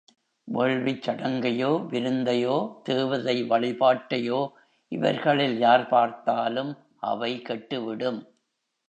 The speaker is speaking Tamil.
வேள்விச் சடங்கையோ, விருந்தையோ, தேவதை வழிபாட்டையோ இவர்களில் யார் பார்த்தாலும் அவை கெட்டுவிடும்.